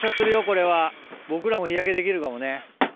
これは僕らも日焼けできるかもね。